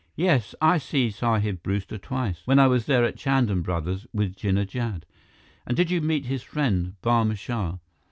"Yes, I see Sahib Brewster twice, when I was there at Chand and Brothers, with Jinnah Jad." "And did you meet his friend, Barma Shah?"